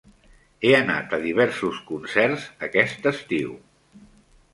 He anat a diversos concerts aquest estiu.